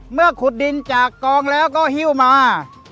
เมื่อขุดดินจากกองแล้วก็ฮิวมา